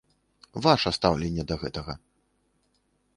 Ваша стаўленне да гэтага?